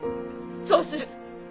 そうする。